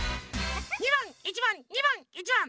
２ばん１ばん２ばん１ばん。